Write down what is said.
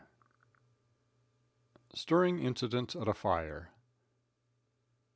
Stirring Incidents at a Fire.